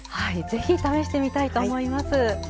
ぜひ試してみたいと思います。